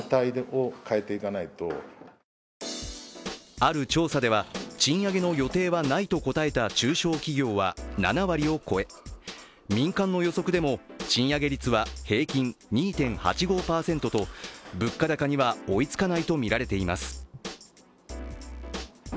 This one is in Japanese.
ある調査では賃上げの予定はないと答えた中小企業は７割を超え民間の予測でも賃上げ率は平均２．８５％と物価高には追いつかないとみられています。